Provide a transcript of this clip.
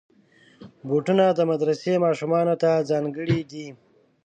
بوټونه د مدرسې ماشومانو ته ځانګړي دي.